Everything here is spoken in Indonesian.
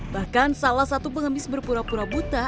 bahkan salah satu pengemis berpura pura buta